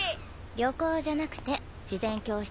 旅行じゃなくて自然教室ね。